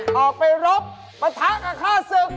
ออกไปรบปะทะกับฆ่าศึก